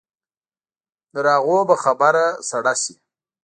تر هغو به خبره سړه شي.